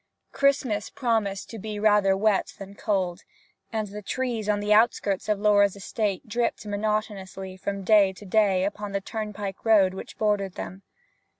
Christmas promised to be rather wet than cold, and the trees on the outskirts of Laura's estate dripped monotonously from day to day upon the turnpike road which bordered them.